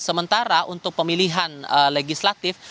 sementara untuk pemilihan legislatif